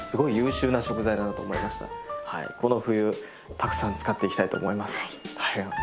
この冬たくさん使っていきたいと思います。